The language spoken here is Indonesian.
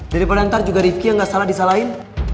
daripada ntar juga rifki yang gak salah disalahin